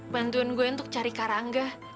bantuan gue untuk cari karangga